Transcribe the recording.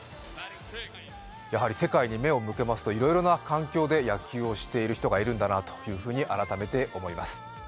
やはり世界に目を向けますと、いろいろな環境で野球をしている人がいるんだなと、改めて思います。